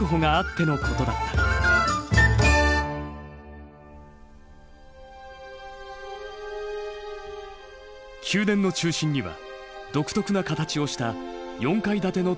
宮殿の中心には独特な形をした４階建ての塔が建っている。